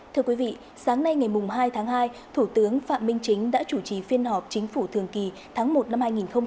thưa quý vị sáng nay ngày hai tháng hai thủ tướng phạm minh chính đã chủ trì phiên họp chính phủ thường kỳ tháng một năm hai nghìn hai mươi